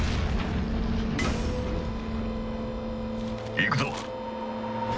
行くぞ。